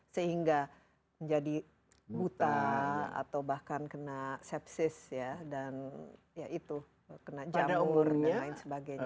sehingga menjadi buta atau bahkan kena sepsis ya dan ya itu kena jamur dan lain sebagainya